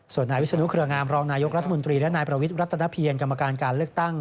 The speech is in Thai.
ส่วนนายวิศนุเครืองามรองนายกรัฐมนตรีและนายประวิทย์รัตนเพียรกรรมการการเลือกตั้ง